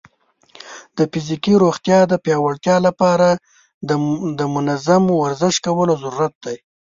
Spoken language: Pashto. د فزیکي روغتیا د پیاوړتیا لپاره د منظم ورزش کولو ضرورت دی.